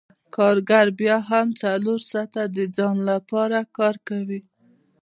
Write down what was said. کارګر بیا هم څلور ساعته د ځان لپاره کار کوي